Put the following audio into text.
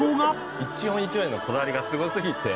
１音１音へのこだわりがすごすぎて。